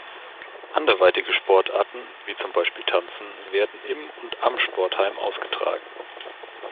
Anderweitige Sportarten, wie zum Beispiel Tanzen, werden im und am Sportheim ausgetragen.